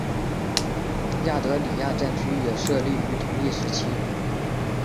亚德里亚战区也设立于同一时期。